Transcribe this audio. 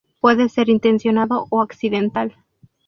Puede ser intencionado o accidental.